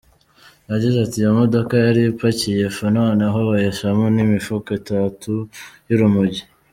Yagize ati “Iyo modoka yari ipakiye ifu noneho bahishamo n’imifuka itatu y’urumogi.